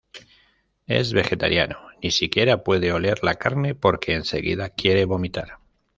Es vegetariano; ni siquiera puede oler la carne porque enseguida quiere vomitar.